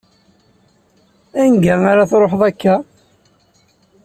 Anga ar ad tṛuḥeḍ akka?